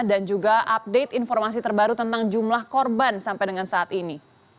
dan juga update informasi terbaru tentang jumlah korban sampai dengan saat ini